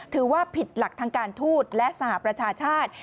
ถือว่าผิดหลักทางการทูตและสหประชาชาติ